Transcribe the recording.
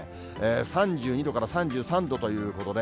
３２度から３３度ということで、